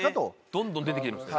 どんどん出てきてるんですね。